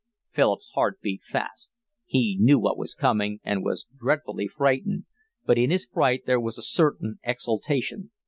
Philip's heart beat fast. He knew what was coming and was dreadfully frightened, but in his fright there was a certain exultation.